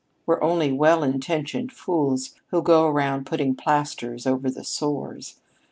We're only well intentioned fools who go around putting plasters over the sores.